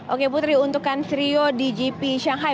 oke putri untuk kans rio di gp shanghai